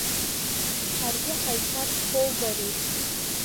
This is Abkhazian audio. Ҳаргьы ҳаисар шԥоубари?